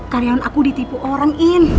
karyawan aku ditipu orangin